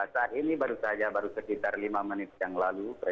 saat ini baru saja baru sekitar lima menit yang lalu